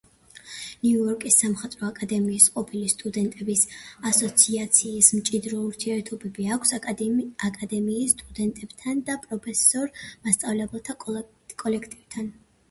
ნიუ-იორკის სამხატვრო აკადემიის ყოფილი სტუდენტების ასოციაციას მჭიდრო ურთიერთობები აქვს აკადემიის სტუდენტებთან და პროფესორ-მასწავლებელთა კოლექტივთან.